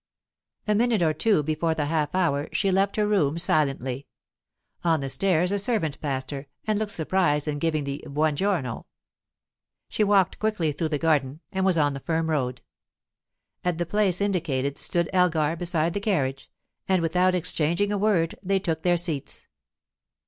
A minute or two before the half hour, she left her room silently. On the stairs a servant passed her, and looked surprised in giving the "Buon giorno." She walked quickly through the garden, and was on the firm road. At the place indicated stood Elgar beside the carriage, and without exchanging a word they took their seats.